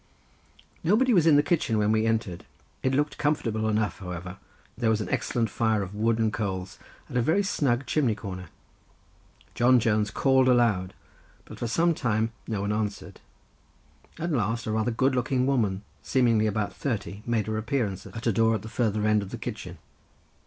Nobody was in the kitchen when we entered. It looked comfortable enough, however; there was an excellent fire of wood and coals, and a very snug chimney corner. John Jones called aloud, but for some time no one answered; at last a rather good looking woman, seemingly about thirty, made her appearance at a door at the farther end of the kitchen.